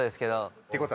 ってことは。